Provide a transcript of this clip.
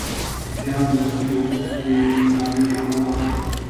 جان لکه ګوګرد پرې ناوی وواهه.